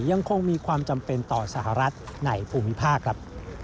ยังคงมีความจำเป็นต่อสหรัฐในภูมิภาคครับ